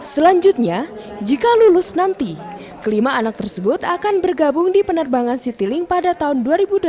selanjutnya jika lulus nanti kelima anak tersebut akan bergabung di penerbangan citylink pada tahun dua ribu delapan belas